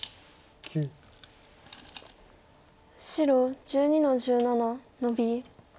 白１２の十七ノビ。